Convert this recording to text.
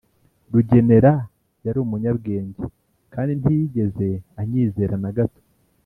rugenera yarumunyabwenge kandi ntiyigeze anyizera nagato.